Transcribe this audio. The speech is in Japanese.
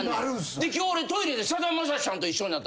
今日俺トイレでさだまさしさんと一緒になった。